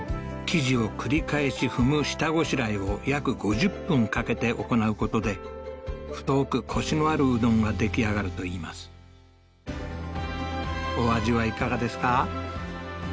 生地を繰り返し踏む下ごしらえを約５０分かけて行うことで太くコシのあるうどんが出来上がるといいますお味はいかがですか？